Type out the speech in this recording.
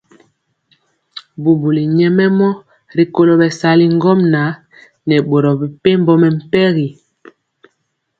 Bubuli nyɛmemɔ rikolo bɛsali ŋgomnaŋ nɛ boro mepempɔ mɛmpegi.